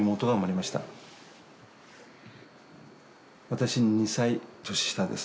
私より２歳年下です。